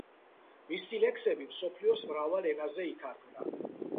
მისი ლექსები მსოფლიოს მრავალ ენაზე ითარგმნა.